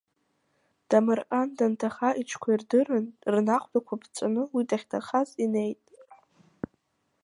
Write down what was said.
Дамырҟан данҭаха иҽқәа ирдырын, рнахәҭақәа ԥҵәҵәаны уи дахьҭахаз инеит.